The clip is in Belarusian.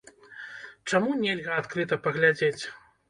Чаму нельга адкрыта паглядзець?